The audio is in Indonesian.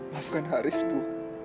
maafkan haris ibu